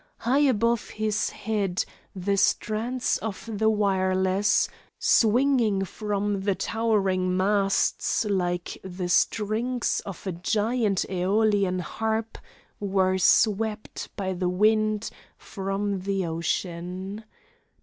High above his head the strands of the wireless, swinging from the towering masts like the strings of a giant Aeolian harp, were swept by the wind from the ocean.